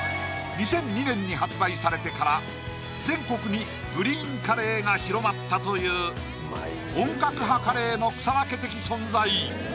２００２年に発売されてから全国にグリーンカレーが広まったという本格派カレーの草分け的存在